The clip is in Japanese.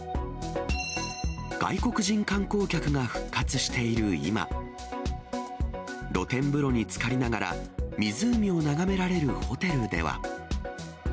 外国人観光客が復活している今、露天風呂につかりながら、湖を眺められるホテルでは。